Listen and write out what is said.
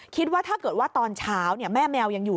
คิดว่าถ้าเกิดว่าตอนเช้าแม่แมวยังอยู่